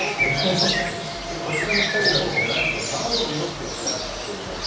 こちらの２人はなんと、卵の容器を使っています。